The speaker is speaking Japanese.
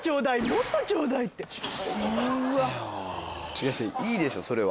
違う違ういいでしょそれは。